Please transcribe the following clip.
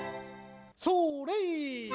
それ！